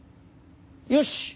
よし！